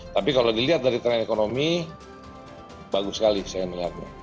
tapi kalau dilihat dari tren ekonomi bagus sekali saya melihatnya